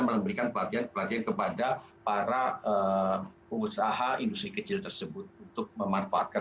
memberikan pelatihan pelatihan kepada para pengusaha industri kecil tersebut untuk memanfaatkan